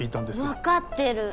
わかってる！